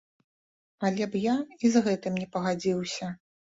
Але б я і з гэтым не пагадзіўся.